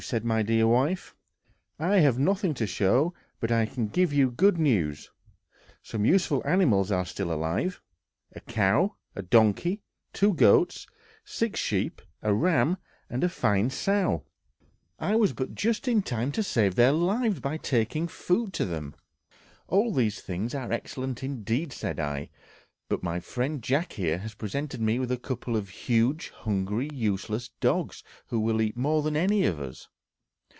said my dear wife. "I have nothing to show, but I can give you good news. Some useful animals are still alive; a cow, a donkey, two goats, six sheep, a ram and a fine sow. I was but just in time to save their lives by taking food to them." "All these things are excellent indeed," said I; "but my friend Jack here has presented me with a couple of huge, hungry, useless dogs, who will eat more than any of us."